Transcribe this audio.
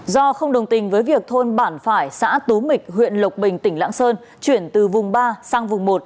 do không đồng tình với việc thôn bản phải xã tú mịch huyện lộc bình tỉnh lạng sơn chuyển từ vùng ba sang vùng một